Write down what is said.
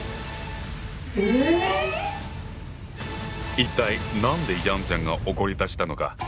一体何でヤンちゃんが怒りだしたのか？